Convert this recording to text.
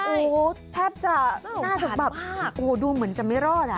โอ้โหแทบจะน่าจะแบบโอ้โหดูเหมือนจะไม่รอดอ่ะ